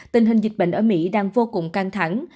tình hình dịch bệnh ở mỹ đang vô cùng căng thẳng